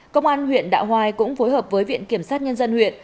công an huyện đạo hoài cũng phối hợp với viện kiểm sát nhân dân huyện